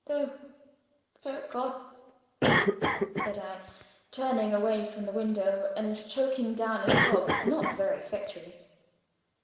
"No they are gone," said I, turning away from the window and choking down a sob, not very effectually.